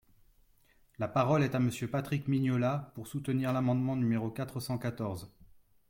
La parole est à Monsieur Patrick Mignola, pour soutenir l’amendement numéro quatre cent quatorze.